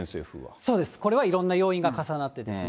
そうです、これはいろんな要因が重なってですね。